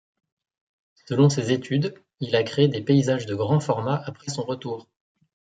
Selon ces études, il a créé des paysages de grand format après son retour.